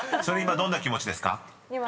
［それ今どんな気持ちですか？］